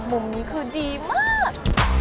มุมนี้คือดีมาก